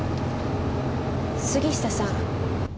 杉下さん。